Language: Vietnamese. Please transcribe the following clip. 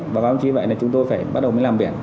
và báo chí vậy là chúng tôi phải bắt đầu mới làm biển